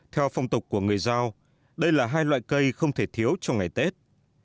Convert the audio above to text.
theo phong tục của người giao đây là hai loại cây không thể thiếu cho ngày tết